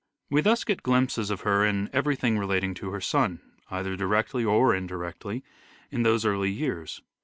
We thus get glimpses of her in everything relating to her son, either directly or indirectly, in those early years.